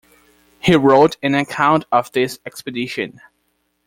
He wrote an account of this expedition.